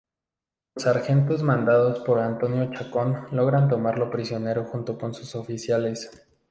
Los sargentos mandados por Antonio Chacón logran tomarlo prisionero junto con sus oficiales.